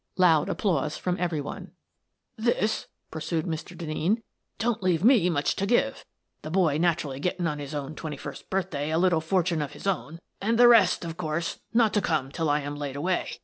(Loud applause from everybody.) " This," pursued Mr. Denneen, " don't leave me much to give, the boy naturally getting on his 24 Miss Frances Baird, Detective twenty first birthday a little fortune of his own, and the rest, of course, not to come till I am laid away.